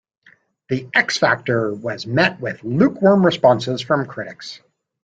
"The X Factor" was met with lukewarm responses from critics.